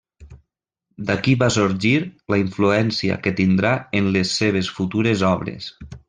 D'aquí va sorgir la influència que tindrà en les seves futures obres.